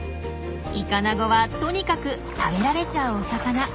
イカナゴはとにかく食べられちゃうお魚。